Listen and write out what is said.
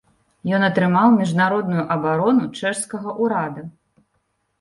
Ён атрымаў міжнародную абарону чэшскага ўрада.